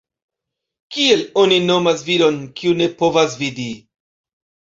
Kiel oni nomas viron, kiu ne povas vidi?